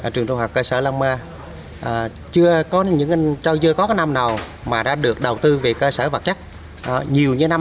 trường trung học cơ sở lâm chưa có năm nào mà đã được đầu tư về cơ sở vật chất nhiều như năm